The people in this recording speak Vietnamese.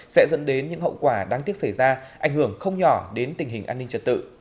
sẽ dẫn đến những hậu quả đáng tiếc xảy ra ảnh hưởng không nhỏ đến tình hình an ninh trật tự